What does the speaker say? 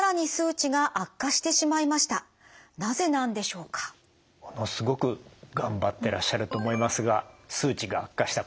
ものすごく頑張ってらっしゃると思いますが数値が悪化した。